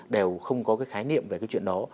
đều không có cái khái niệm về cái chuyện đó